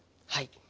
はい。